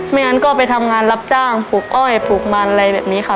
งั้นก็ไปทำงานรับจ้างปลูกอ้อยปลูกมันอะไรแบบนี้ค่ะ